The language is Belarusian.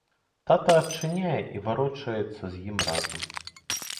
Тата адчыняе і варочаецца з ім разам.